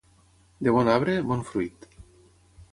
De bon arbre, bon fruit.